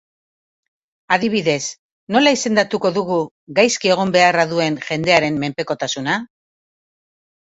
Adibidez, nola izendatuko dugu gaizki egon beharra duen jendearen menpekotasuna?